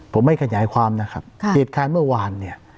ผมไม่กระยายความนะครับเวทคลานเมื่อวาน